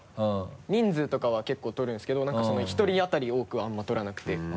人数とかは結構撮るんですけど１人当たり多くはあんまり撮らなくて。